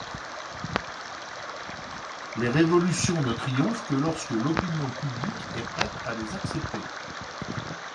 Les révolutions ne triomphent que lorsque l’opinion publique est prête à les accepter.